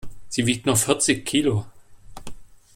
Sie wiegt nur vierzig Kilo.